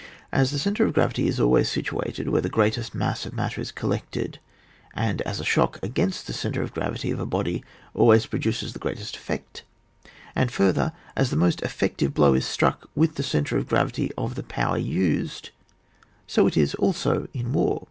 As the centre of gravity is always situ ated where the greatest mass of matter is collected, and as a shock against the centre of gravity of a body always pro duces the greatest effect, and further, as the most effective blow is struck with the centre of gjravity of the power used, so it is also in war.